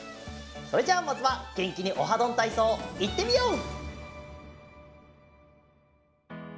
それじゃあまずはげんきに「オハどんたいそう」いってみよう！